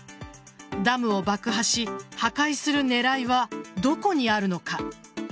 ダムを爆破し破壊する狙いはどこにあるのか。